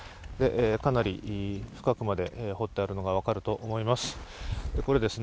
かなり深くまで掘ってあるのが分かると思います。